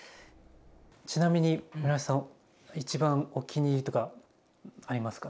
ちなみにムラヨシさん一番お気に入りとかありますか？